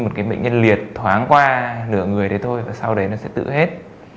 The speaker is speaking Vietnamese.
một cái bệnh nhân liệt thoáng qua nửa người đấy thôi và sau đấy nó sẽ tự hết